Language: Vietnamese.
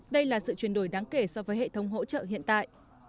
đây là sự chuyển đổi đáng kể so với hệ thống hỗ trợ hiện tại